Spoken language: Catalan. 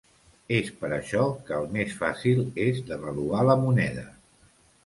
És per això que el més fàcil és devaluar la moneda.